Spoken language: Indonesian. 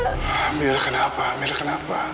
amira kenapa amira kenapa